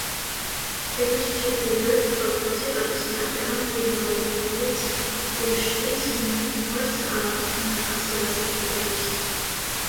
ქედის ჩრდილოეთ კალთაზე არის პატარა მყინვარი, რომელიც უშბის მყინვარს ასაზრდოებს.